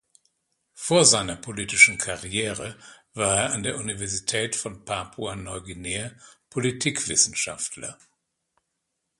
Vor seiner politischen Karriere war er an der Universität von Papua-Neuguinea Politikwissenschaftler.